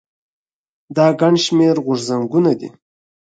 دا ګڼ شمېر غورځنګونه دي.